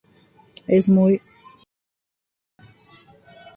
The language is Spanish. Es muy "White Album".